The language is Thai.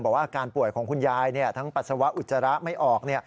อาการป่วยของคุณยายทั้งปัสสาวะอุจจาระไม่ออก